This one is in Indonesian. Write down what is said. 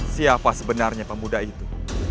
siapa sebenarnya pemuda itu